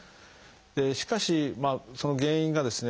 しかしその原因がですね